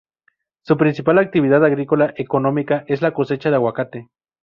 Su principal actividad agrícola económica es la cosecha de Aguacate.